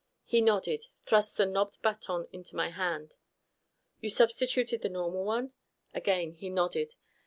He nodded, thrust the knobbed baton into my hand. "You substituted the normal one?" Again he nodded.